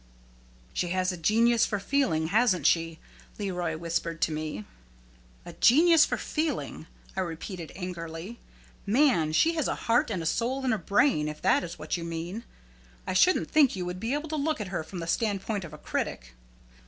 "She has a genius for feeling, hasn't she?" Leroy whispered to me. "A genius for feeling!" I repeated, angrily. "Man, she has a heart and a soul and a brain, if that is what you mean! I shouldn't think you would be able to look at her from the standpoint of a critic."